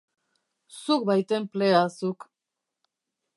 Zuk bai tenplea, zuk.